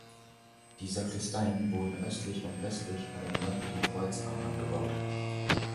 Die Sakristeien wurden östlich und westlich an den nördlichen Kreuzarm angebaut.